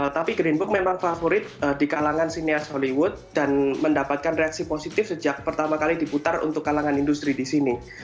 tapi green book memang favorit di kalangan sinias hollywood dan mendapatkan reaksi positif sejak pertama kali diputar untuk kalangan industri di sini